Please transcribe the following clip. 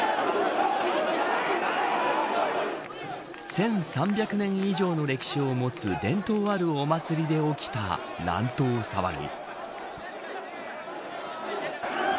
１３００年以上の歴史を持つ伝統あるお祭りで起きた乱闘騒ぎ。